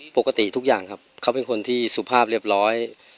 ปกติทุกอย่างครับเขาเป็นคนที่สุภาพเรียบร้อย